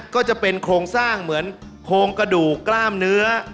ก็จะเป็นโครงสร้างเหมือนโครงกระดูกกล้ามเนื้อ